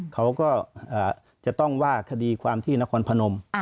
เขาก็จะต้องว่าคดีความที่นครพนม